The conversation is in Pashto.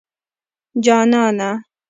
جانانه